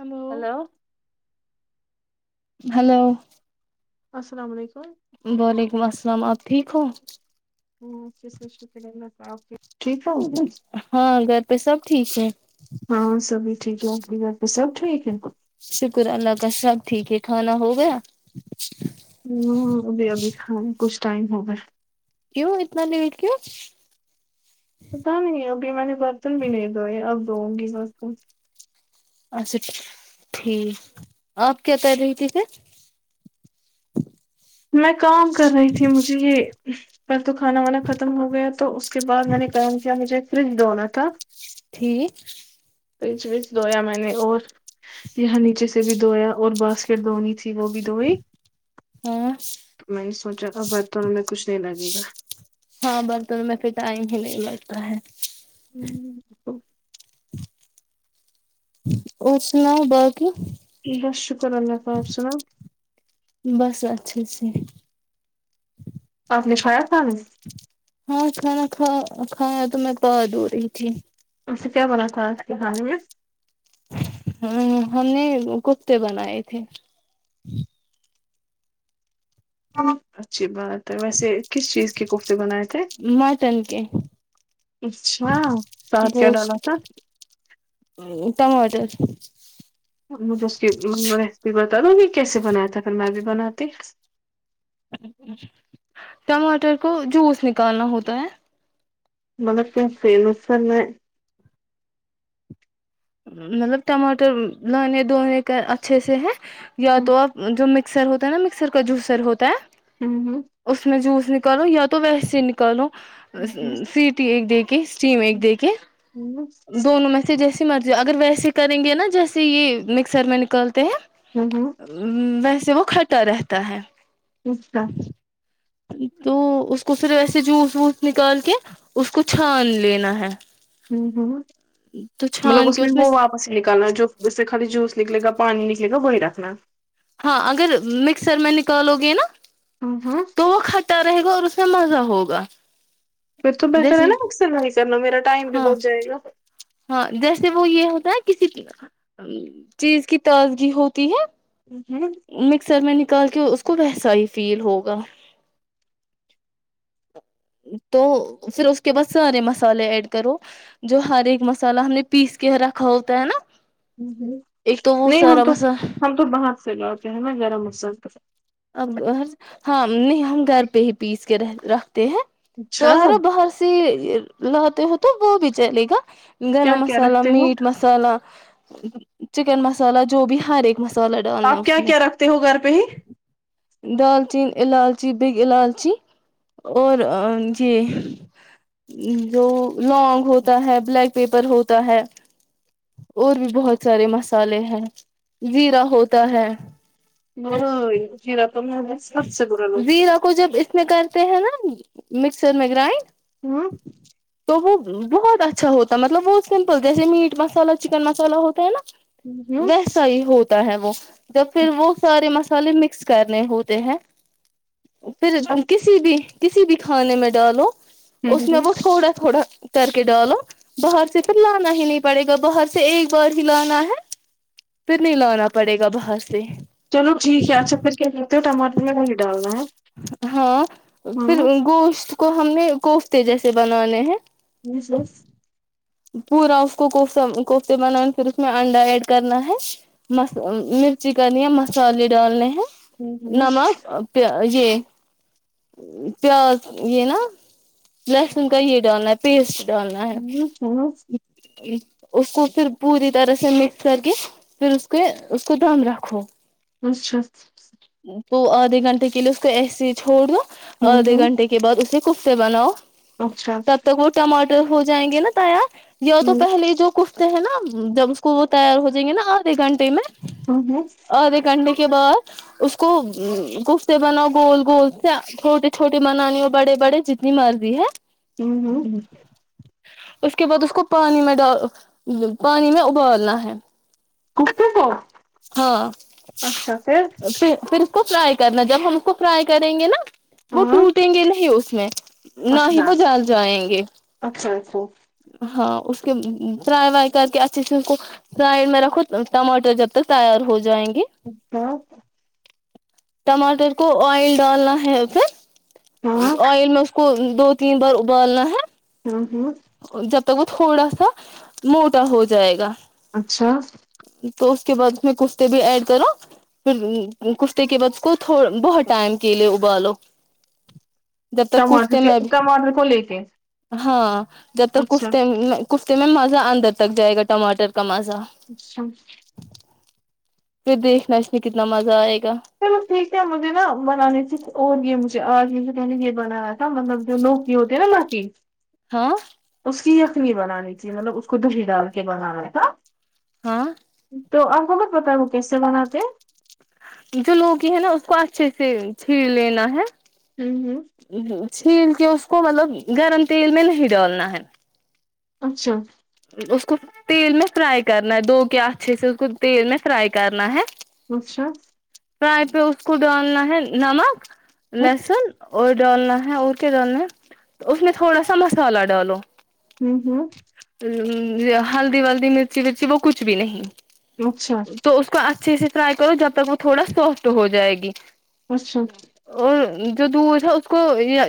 ابو hello hello السلام علیکم وعلیکم السلام آپ ٹھیک ہو ہاں، کس نے شروع کریں گے؟ آپ کے ٹھیک ہے ا ہاں گھر پہ سب ٹھیک ہے ہاں سبھی ٹھیک ہے اپ گھر پہ سب ٹھیک ہے کو شکر اللہ کا سب ٹھیک ہے کھانا ہو گیا ہ بھی اد ہاں کچھ ٹائم ہوگ کیوں اتنا لیٹ کیا پتا نہیں ابھی میں نے برتن بھی نہیں دھوئے اب دؤں گی برتن سے اچھا ٹھیک آپ کیا کر رہی تھی پھر میں کام کر رہی تھی مجھے یہ پر تو کھانا وانا ختم ہو گیا تو اس کے بعد میں نے کام کیا مجھے فریج رنا تھا ٹھیک پچ وچ دھویا میں نے اور یہاں نیچے سے بھی دھویا اور باسکٹ دھونی تھی وہ بھی دئی ہاں میں یہ سوچا تھا ورتن میں کچھ نہیں لگے گا ہاں برتن میں پھر ٹائم ہی نہیں لگتا ہے ہ اور سنا بس بس شکر اللہ تالی آپ سنا اچھا ا سے نےوات فامس ہاں کھانا کھا کھانا تو میں بد ہو رہی تھی اسے کیا بنا تھا اس کے کھانے میں ہاں ہم نے کفتے بنائے تھے ہ اچھی بات ہے ویسے کس چیز کے کوفتے بنائے تھے مٹن کے اچھا ساتھ کیا ڈالا گوشت تھا ٹماٹر مجھے اس کی ریسیپی بتا دو گی کیسے بنایا تھا پھر میں بھی بناتی ہ ٹماٹر کو جوس نکالنا ہوتا ہے ملرک فیمس سر میں مطلب ٹماٹر لانے دھونے کا اچھے سے ہے یا تو آپ جو میں مکسر ہوتا ہے نا مکسر کا جووسر ہوتا ہے اس میں جوس نکالو یا تو ویسے ہی نکالو سیٹی ایک دیکھ اسٹیم ایک دیک کے دونوں میں سے جیسی مرضی اگر ویسے کریں گے نا جیسے یہ مکسر میں نکل ہیں ویس سے وہ کھٹا رہتا ہے اسس کا تو اس کو پھر وسے جوس وس نکال کے اس کو چھان لینا ہے ہوں ہ تو مطلب چھان اس کے میں وہ واپس ہی نکالنا جو اس سے خالی جوس نکلے گا پانی نکلے گا وہی رکھنا ہاں اگر مکسر میں نکالو گے نا ہوں ہوں تو وہ کھٹا رہے گا اور کسا مزہ ہوگا پھر تو پیسا جیسے رہناا اکثر نہیں کرنا میرا ٹائم بھی ہاں بہت جائے گا ہاں جیسے وہ یہ ہوتا ہے کسی چیز کی تازگی ہوتی ہے مکسر میں نے ک کے اس کو وسا ہی فیل ہوگا تو پھر اس کے بعد سارے مسالے ایڈ کرو جو ہر ایک مسالہ ہم نے پیس کے رکھا ہوتا ہے نا ایک تو وہ نہیں ہم سارا تو مسالہ ہم تو باہر سے لوے ہیں نا گرم اسس اب ہاں نہیں ہم گھر پہ ہی پیس کے رہ ر ہیں تو اچھا اگر باہر سے لاتے ہو تو وہ بھی چلے گا کیا گرم کیا مسالا رکھتے ہو میٹ مسالا چکن مسالہ جو بھی ہر ایک مسالہ ڈالنا ہے آپ اس کیا میں کیا رکھتے ہو گھر پہ ہی دالچین الالچی بگ الالچی اور یہ جو لونگ ہوتا ہے بلیک پیپر ہوتا ہے اور بھی بہت سارے مسالے ہیں زیرا ہوتا ہے جیا زیرا کو جب اس میں کرتے ہیں نا مکسر میں گرائنڈ ہوں تو وہ بہت اچھا ہوتا ہے مطلب وہ سمپل جیسے میٹ مسالہ چکن مسالا ہوتا ہے نا ہوں ویسا ہی ہوتا تا ہے وہ جب پھر وہ سارے مس سے مکس کرنے ہو ہیں پھر اچھا کسی بھی کسی بھی کھانے میں ڈالو اس میں وہ تھوڑا تھوڑا کر کے ڈالو باہر سے پھر لانا ہی نہیں پڑے گا باہر سے ایک بار ہی لانا ہے پھر نہیں لانا پڑے گا باہر سے چلو ٹھیک ہے اچھا پھر کیا کرتے ہو میں ٹماٹر نے نہیں ڈالنا ہے ہاں پھر ہاں گوشت کو ہم نے گوشت تجی سے بنانے ہیں [inaudible] ج سس [unintelligible] پورا اس کوفہ کوفتے بنانے پھر اس میں انڈا ایڈ کرنا ہے مرچی کرنی ہے مسالے ڈالنے ہیں ہوں ہوں نم یہ پیاز یہ نا لہسن کا یہ ڈالنا ہے پیسٹ ڈولنا ہے [inaudible] ہ [unintelligible] اس کو پھر پوری طرح سے مکس کر کے پھر اس کے اس کو دم رکھو اسشس [unintelligible] وہ آدھ گھنٹے کے لیلے اس کو ایسی چھوڑ دوو آدھے گھنٹے کے بعد اسے کف سے بنااؤ اچھا ت تو کوٹ مٹ [unintelligible] ہو جائیں گے نا تایا یا تو ہوں پہلے جو ک ہے نا جب اس کو وہ تیار ہو جائیں گے نا آدھے گھنٹے میں ان [inaudible] آدھے گھنٹے کے بعد اس کو گفتے بناؤ گول گول سے چھوٹے چھوٹے بنانی ہو بڑے بڑے جتنی مرضی ہے ہوں ہ [inaudible] اس [inaudible] کے بعد اس کو پانی میں ڈال پانی میں ابالنا ہے کستے تو [unintelligible] ہاں پھر پھر کو فرائی کرنا جب ہم اس کو فرائی کریں گے نا وہ ہاں ٹولتےیں گے ل ہی اس [inaudible] میں [unintelligible] نہ ہی وہ جال جائیں گے سو [unintelligible] ہاں اس کے فرائی وائی کر کے اچھے سے اس کو فرڈ میں رکھو ٹماٹر جب تک تیار ہو جائیں گے ا [inaudible] ٹماٹر کو آئل ڈالنا ہے ا ہاں پھر آئل میں اس کو دو تین بار ابالنا ہے ہ جب تک وہ تھوڑا سا موٹا ہو جائے گا اچھا تو اس کے بعد میں کشتے بھی ایڈ کرو پھر کشتے کے بعد اس کو بہت ٹائم کے لیے ابالو جب تک ٹماٹر کشتے کے میں بھی ٹماٹر کو لے کے ہاں جت اچھا کھتے کفتے میں مزہ اندر تک جائے گا ٹماٹر کا مزہ اچھا پھر دیکھنا اس میں کتنا مزہ آ چلو ٹھیک مج د نا بنانے اور یہ مجھے آج کہ نے یہ بنایا تھا مطلب جو لوگ یہ ہوتے ہیں نا نای ہاں چنی بنانی تھی مطلب اس کو دہی ڈال کے بنانا تھا ہاں تو آپ خبر پتا وہ کیس سے بنا د جو لوگی ہے نا اس کو اچھے سے چھیڑ لینا ہے ہیں ہوں ہوں ا چھیل کی مطلب گرم تیل میں نہیں ڈالنا ہے اچھا اس کو تیل میں فرائی کرنا ہے دو کے اچھے سے اس کو تیل میں فرائی کرنا ہے اچشا پرائے پہ اس کو ڈالنا ہے نمک لسن اور ڈالنا ہے ا کے ڈالنا ہے تو اس میں تھوڑا سا مسالہ ڈالو ہوں ہوں ہلدی ولدی مرچی ورچی وہ کچھ بھی نہیں اچھا تو اس کو اچھ اچھے سے فرائی کرو جب تک وہ تھوڑا سافٹ ہو جائے گی اچھا اور جو دودھ ہے اس کو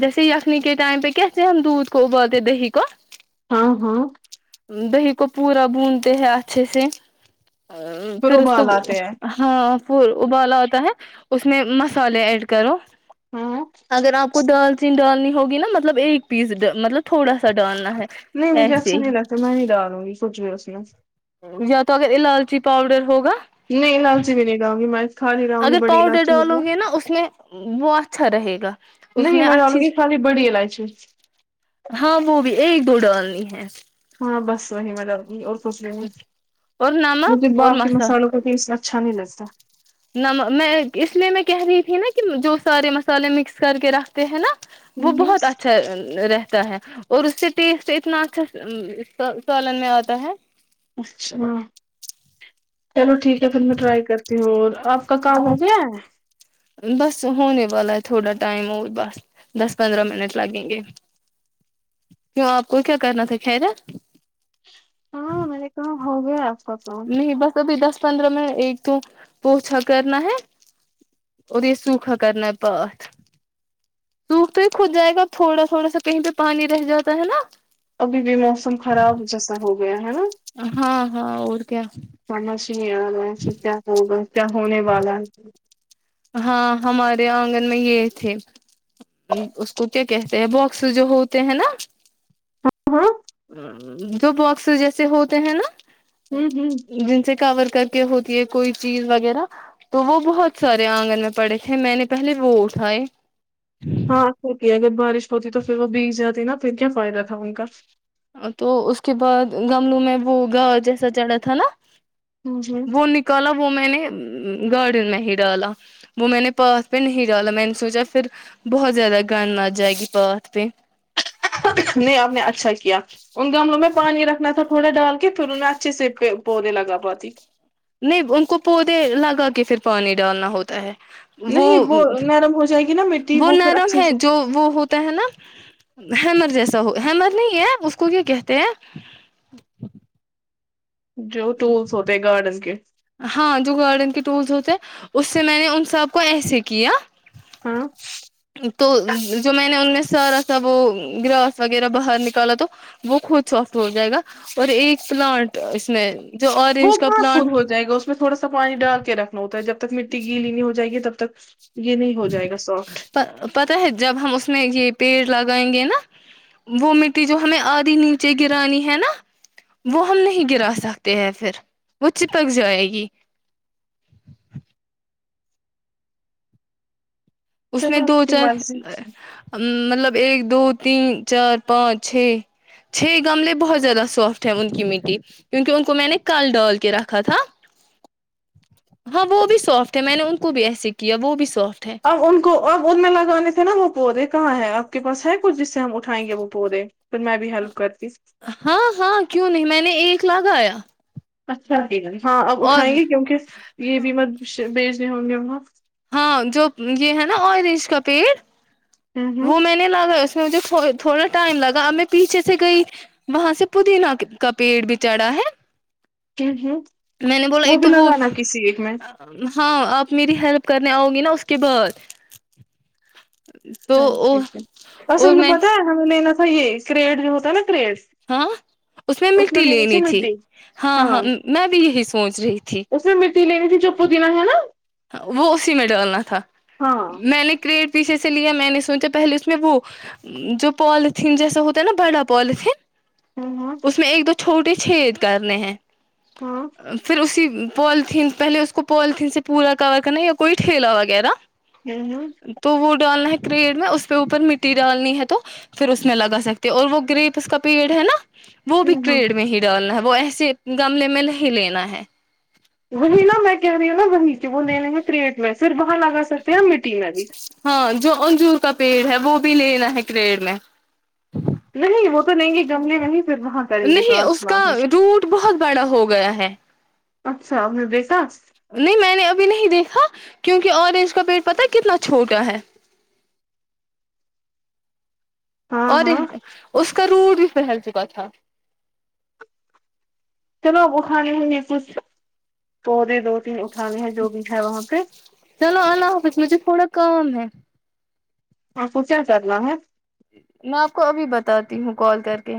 جیسے یخنی کے ٹائم پہ کیسے ہم دودھ کو ابالتے دہی کو ہاں ہاں دہی کو پورا بونتے ہیں اچھے سے ا پھر اس کو ابال آتے ہیں ہاں ابالا ہوتا ہے اس میں مسالے ایڈ کرو ہاں اگر آپ کو ڈال تو ڈالنی ہوگی نا مطلب ایک پیس مطلب تھوڑا سا ڈالنا ہے نہیں مجھے ایسے اچھا نہیں لگتا میں نہیں ڈالوں گی سوچ بھی اس میں چی پاؤڈر ہوگا نہیں الائچی بھی نہیں ڈالوں گی میں خالی ڈالوں گی اگر بڑی پاؤڈر الائچی ہوتی ڈالو ہے گے نا اس میں وہ اچھا اا رہے گا اس نہیں میں ڈالوں اچھی گی سے خالی بڑی الائچی ہاں وہ بھی ایک دو ڈال نہیں ہے ہاں بس وہی مطلب کہ سوچ رہے اور نمک مجھے اور باقی مسا مسالوں کا تی اسنا اچھا نہیں لگتا نمک میں اس لیے میں کہہ رہی تھی نا کہ جو سارے مسالے مکس کر کے رکھتے ہیں نا وہ ہوں بہت اچھا رہتا ہے اور اس سے ٹیسٹ اتنا اچھا سالن میں آتا ہے اچھا چلو ٹھیک ہے پھر میں ٹرائی کرتی ہوں آپ کا کا ہو گیا ہے بس ہونے والا ہے تھوڑا ٹائم ہو بس دس پندرہ منٹ لگیں گے کیوں آپ کو کیا کرنا تھا خیرت ہاں مل کو [unintelligible] نہیں بس ابھی دس پندرہ منٹ ایک تو پوچھا کرنا ہے اور یہ سوکھا کرنا ہے پات سوکھ تو ہی کھود جائے گا تھوڑا تھوڑا سا کہیں پہ پانی رہ جاتا ہے نا ابھی بھی موسم خراب جیسا ہوگا ہاں ہاں اور کیا سمجھ ا ست [unintelligible] ہونے والا ہاں ہمارے آنگن میں یہ تھے اس کو کیا کہتے ہیں بکس جو ہوتے ہیں نا ہاں ہاں جو باکسز جیسے ہوتے ہیں نا ہوں ہوں [unintelligible] ہوتی ہے کوئی چیز وغیرہ تو وہ بہت سارے آنگن میں پڑے تھے میں نے پہلے وہ اٹھائے ہاں سک اگر بارش ہوتی تو پھر وہ بیگ جاتی نا پھر کیا فائدہ تھا ان کا تو اس کے بعد گملوں میں وہ گا جیسا چڑھا تھا نا ہوں ہوں وہ نکالا وہ میں نے گارڈن میں ہی ڈالا وہ میں نے پاتھ پہ نہیں ڈالا میں نے سوچا پھر بہت زیادہ گند آ جائے گی پاتھ پہ نہیں آپ نے اچھا کیا ان گملوں میں پانی رکھنا تھا تھوڑا ڈال کے پھر ان میں اچھے سے پودے لگا پاتی نہیں ان کو پودے لگا کے پھر پانی ڈالنا ہوتا ہے وہ نہیں نرم ہو جائے گی نا مٹی وہ پھر نرم اچھے ہے سے جو وہ ہوتا ہے نا ہیمر جیس سو حمر نہیں ہے آپ اس کو کیا کہتے ہیں جو ٹولس ہوتے ہیں گارڈن کے ہاں جو گارڈن کے ٹولس ہوتے ہیں اس سے میں نے ان سب کو ایسے کیا ہاں تو جو میں نے ان میں سارا سا وہ گراس وغیرہ باہر نکالا تو وہ خود سافٹ ہو جائے گا اور ایک پلانٹ اس میں جو وہ اورینج کا کہاں خود پلانٹ ہو جائے گا اس میں تھوڑا سا پانی ڈال کے رکھنا ہوتا ہے جب تک مٹی گی لیین ہوائے گی تب تک ب پت ہے جب ہم اس میں یہ پیڑ لگائیں گے نا وہ مٹی جو ہمیں آدھی نیچے گرانی ہے نا وہ ہم نہیں گرا سکتے ہیں پھر وہ چپک جائے گی اس نے چلو دو آپ کی چار مرضی مطلب ایک دو تین چار پانچ چھ چھ گملے بہت زیادہ سافٹ ہے ان کی مٹی کیونکہ ان کو میں نے کال ڈال کے رکھا تھا ہاں وہ بھی سافٹ ہے میں نے ان کو بھی ایسے کیا وہ بھی سافٹ اھے اب ان کو اب ان میں لگانے تھے نا وہ پودے کہاں ہے آپ پس ہے کچ جس سے ہم اٹھائیں گے وہ پودے پھر میں بھی ہیلپ کرتی ہاں ہاں کیوں نہیں میں نے ایک لگایا اچھا ٹھیک ہے ہاں اب اور اٹھائیں گے کیونکہ یہ بھی مت بیچنے ہوں گی ہ ہاں جو یہ ہے نا آرینج کا پیڑ ہوں ہوں وہ مہینے لاگا اس ہ جو ف تھوڑا ٹائم لگا ہمیں پیچھے سے گئی وہاں سے پودینہ کا پیڑ بھی چڑھا ہے ہ ہوں میں نے بولا وہ ایک بھی تو لگانا کسی ایک میں ہاں آپ میری ہیلپ کرنے آؤ گی نا اس کے بعد تو ٹھیک ہے اصل میں پت ہے ہمیں لینا ب یہ کریڈ جو ہوتا ہے نا کریڈ ہاں اس میں مٹی لینی تھی ہاں ہاں میں بھی یہی سوچ رہی تھی اس میں لینی تھی چپو دیننا ہےا وہ اسی میں ڈالنا تھا ہاں میں نے کریٹ پیچے سے لیا میں نے سوچا پہلے اس میں وہ جو پوالتھین جیسا ہوتا ہے نا بڑا پوالتھین ہاں ہاں اس میں ایک دو چھوٹے سے چھید کرنے ہیں ہاں پھر اسی پالیتھین پہلے اس کو پالیتھین سے پورا کور کرنا یا کوئی ٹھیلا وغیرہ ہوں ہوں تو وہ ڈا لنا ہے پیڑ میں اس پہ اوپر مٹی ڈالنی ہے تو پھر اس میں لگا سکتے ہیں اور وہ گریپ اس کا پیڑ ہے نا وہ بھی ہوں ہوں کریڑ میں ہی ڈالنا ہے وہ ایسے گملے میں نہیں لینا ہے وہی نا میں کہہ نا وہیںچ وہ لنے ہیں تھریٹ میں صرف اں لگا سکتے ہیں میٹی بھی ہاں جو انجور کا پیڑ ہے وہ بھی لینا ہے کریڑ میں نہیں وہ تو نہیں گ گملے میں پھر وہاں کریں گے نہیں اس کا ٹرانسپلانٹ روٹ بہت بڑا ہو گیا ہے اچھا ہم نہیں میں نے ابھی نہیں دیکھا کیونکہ اورنج کا پیٹ پتا کتنا چھوٹا ہے ہاں اور ہاں اس کرور بھی پہھیل چکا تھا وہ کھانے ہوں گ کچھ پودے دو تینوں چلو اللہ حافظ مجھے تھوڑا کام ہے ہاں خو کیا چارلہ میں آپ کو ابھی بتاتی ہوں کال کر کے